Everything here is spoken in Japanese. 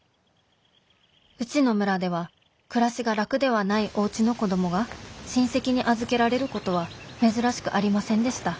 うちの村では暮らしが楽ではないおうちの子供が親戚に預けられることは珍しくありませんでした。